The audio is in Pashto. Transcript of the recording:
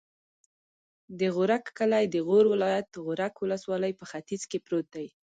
د غورک کلی د غور ولایت، غورک ولسوالي په ختیځ کې پروت دی.